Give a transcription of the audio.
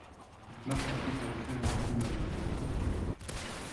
Marc a pris pour l’écrire une plume à mon aile ;